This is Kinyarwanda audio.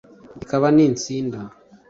ikaba n'i ntsinda;